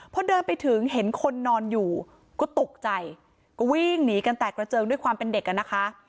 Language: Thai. พอเดินไปถึงเห็นคนนอนอยู่ก็ตกใจก็วิ่งหนีกันแตกกระเจิงด้วยความเป็นเด็กอ่ะนะคะ